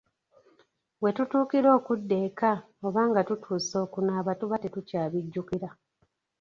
Wetutuukira okudda eka oba nga tutuuse okunaaba tuba tetukyabijjukira.